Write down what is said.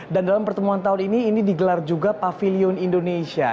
dan dalam pertemuan tahun ini ini digelar juga pavilion indonesia